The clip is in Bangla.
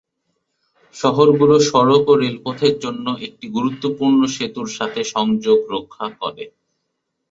শহরগুলো সড়ক ও রেলপথের জন্য একটি গুরুত্বপূর্ণ সেতুর সাথে সংযোগ রক্ষা করে।